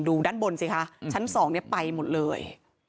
ด้านบนสิคะชั้น๒ไปหมดเลย